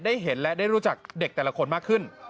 เห็นและได้รู้จักเด็กแต่ละคนมากขึ้น